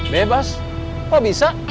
bebas kok bisa